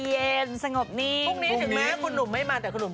โรคเป็นสีชมวย